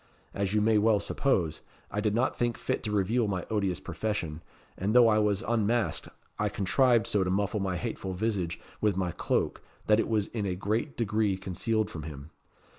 As you may well suppose, I did not think fit to reveal my odious profession, and though I was unmasked, I contrived so to muffle my hateful visage with my cloak, that it was in a great degree concealed from him.